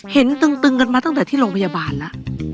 เห็นตึงกันมาตั้งแต่ที่โรงพยาบาลล่ะ